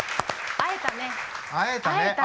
会えたね。